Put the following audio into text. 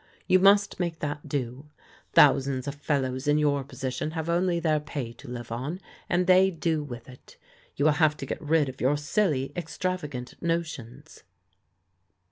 You must make that do. Thousands of fellows in your position have only their pay to live on, and they do with it. You will have to get rid of your silly, extravagant notions."